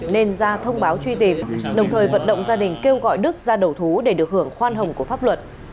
nên ra thông báo truy tìm đồng thời vận động gia đình kêu gọi đức ra đầu thú để được hưởng khoan hồng của pháp luật